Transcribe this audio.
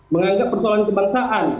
menganggap persoalan kebangsaan